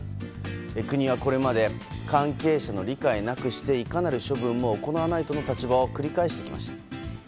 国はこれまで関係者の理解なくしていかなる処分も行わないという立場を繰り返してきました。